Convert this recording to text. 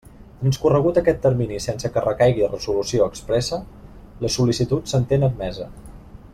Transcorregut aquest termini sense que recaigui resolució expressa, la sol·licitud s'entén admesa.